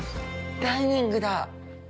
ダイニングだ。